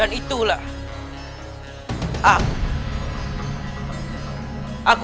indah kau